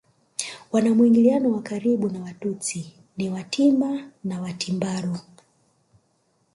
Wana mwingiliano wa karibu na Watutsi ni Watimba na Watimbaru